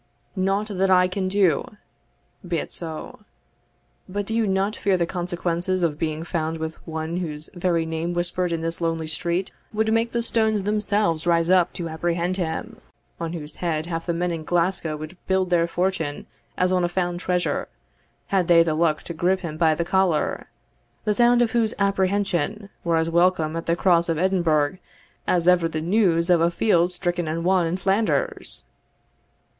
"Nought that I can do? Be it so. But do you not fear the consequences of being found with one whose very name whispered in this lonely street would make the stones themselves rise up to apprehend him on whose head half the men in Glasgow would build their fortune as on a found treasure, had they the luck to grip him by the collar the sound of whose apprehension were as welcome at the Cross of Edinburgh as ever the news of a field stricken and won in Flanders?"